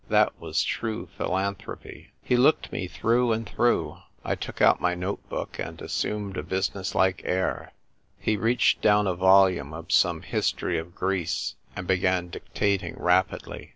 That was true philanthropy." He looked me through and through. I took out my note book, and assumed a busi ness like air. He reached down a volume of some History of Greece, and began dictating rapidly.